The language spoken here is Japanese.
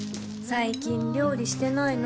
最近料理してないの？